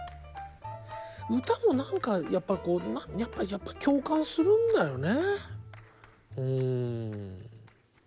歌も何かやっぱり共感するんだよね。